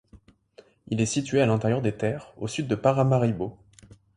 Il est situé à l'intérieur des terres, au sud de Paramaribo.